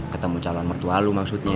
ketemu calon mertua lu maksudnya